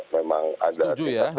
memang ada kesukaan